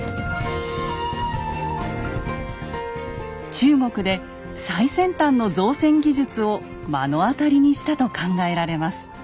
中国で最先端の造船技術を目の当たりにしたと考えられます。